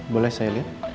boleh saya lihat